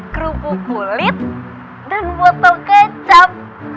kerupuk kulit dan botol kecap